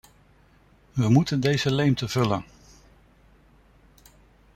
We moeten deze leemte vullen.